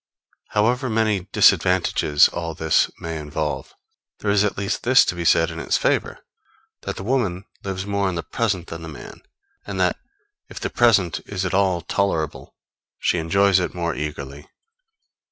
However many disadvantages all this may involve, there is at least this to be said in its favor; that the woman lives more in the present than the man, and that, if the present is at all tolerable, she enjoys it more eagerly.